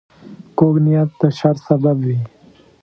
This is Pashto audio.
کوږ نیت د شر سبب وي